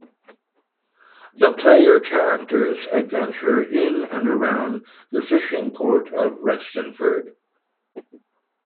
The player characters adventure in and around the fishing port of Restenford.